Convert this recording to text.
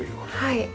はい。